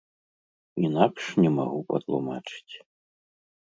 Інакш не магу патлумачыць.